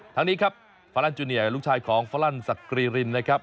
ทางนี้ครับฟาลันจูเนียลูกชายของฟอลันสักกรีรินนะครับ